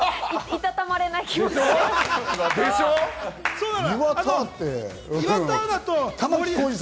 いたたまれない気持ち。